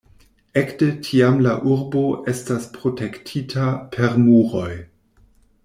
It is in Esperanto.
Ekde tiam la urbo estas protektita per muroj.